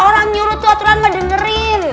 orang nyuruh tuat tuan mendengarin